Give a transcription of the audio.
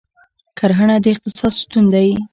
کرهڼه د اقتصاد ستون دی